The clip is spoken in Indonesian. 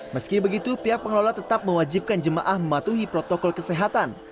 meski begitu pihak pengelola tetap mewajibkan jemaah mematuhi protokol kesehatan